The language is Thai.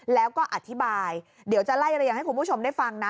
แล้วก็อธิบายเดี๋ยวจะไล่เรียงให้คุณผู้ชมได้ฟังนะ